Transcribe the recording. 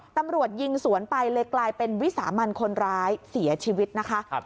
ตำรวจยิงสวนไปเลยกลายเป็นวิสามันคนร้ายเสียชีวิตนะคะ